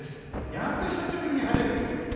やっと久しぶりに晴れる。